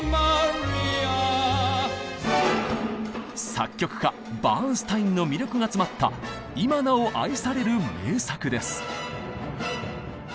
作曲家バーンスタインの魅力が詰まった今なお愛される名作です。